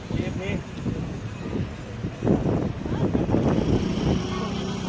สวัสดีทุกคน